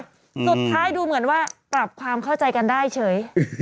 สุดท้ายดูเหมือนว่าปรับความเข้าใจกันได้เฉย